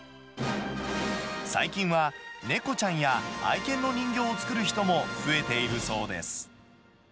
最近は、猫ちゃんや愛犬の人形を作る人も増えているそうです。